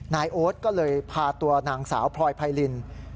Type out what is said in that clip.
โอ๊ตก็เลยพาตัวนางสาวพลอยไพริน